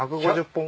１５０本？